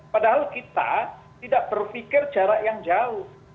padahal kita tidak berpikir jarak yang jauh